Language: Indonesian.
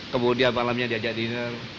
kemudian malamnya diajak dinner